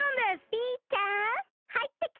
ピーちゃんはいってきて！